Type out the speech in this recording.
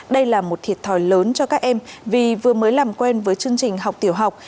đây là một thiệt thòi lớn cho các em vì vừa mới làm quen với chương trình học tiểu học